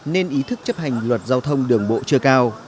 nên ý thức chấp hành luật giao thông đường bộ chưa cao